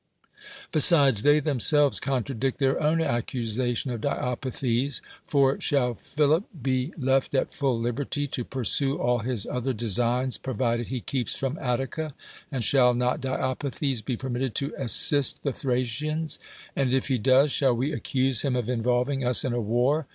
Besides, they th mselves contradict their own accusation of Di pithes. For shall Philip be left at full liberty to ursue all his other designs, provided he keeps from Attica ; and shall not Diopithes be permitted to assist the Thracians? And if he does, shall we accuse him of involving us in a war